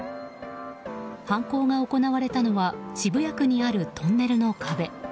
犯行が行われたのは渋谷区にあるトンネルの壁。